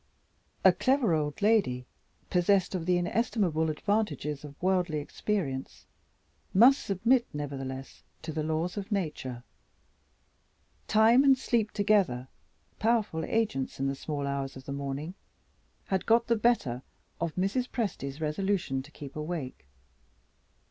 A clever old lady, possessed of the inestimable advantages of worldly experience, must submit nevertheless to the laws of Nature. Time and Sleep together powerful agents in the small hours of the morning had got the better of Mrs. Presty's resolution to keep awake.